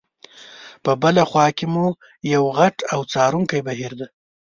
په بله خوا کې مو یو غټ او څانګور بهیر دی.